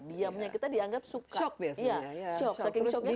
diamnya kita dianggap suka